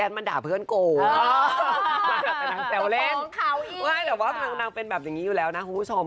แต่ว่านางเป็นแบบอย่างงี้อยู่แล้วนะคุณผู้ชม